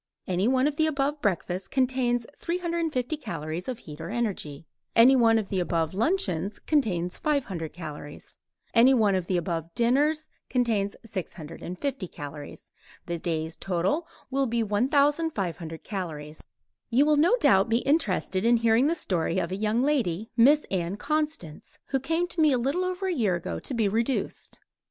Any one of the above breakfasts contains 350 calories of heat or energy. Any one of the above luncheons contains 500 calories. Any one of the above dinners contains 650 calories. The day's total will be 1500 calories. You will no doubt be interested in hearing the story of a young lady, Miss Ann Constance, who came to me a little over a year ago to be reduced.